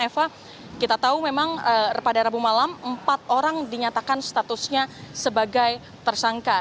eva kita tahu memang pada rabu malam empat orang dinyatakan statusnya sebagai tersangka